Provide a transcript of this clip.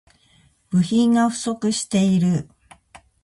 部品が不足している